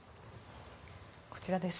こちらです。